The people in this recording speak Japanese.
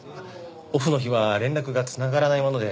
オフの日は連絡が繋がらないもので。